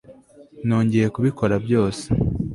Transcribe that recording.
nongeye kubikora byose